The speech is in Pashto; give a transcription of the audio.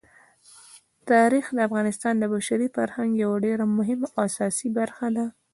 تاریخ د افغانستان د بشري فرهنګ یوه ډېره مهمه او اساسي برخه ده.